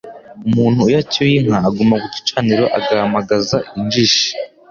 Umuntu iyo acyuye inka aguma ku gicaniro, agahamagaza injishi